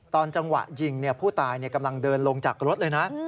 ตอนจังหวะยิงผู้ตายกำลังเดินลงจากรถเลยนะ